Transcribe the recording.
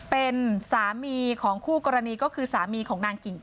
เป็นสามีของคู่กรณีก็คือสามีของนางกิ่ง